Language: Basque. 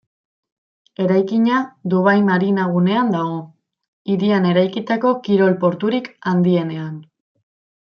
Eraikina Dubai Marina gunean dago, hirian eraikitako kirol porturik handienean.